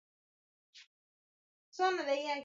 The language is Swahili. Kwa Yesu Mwana.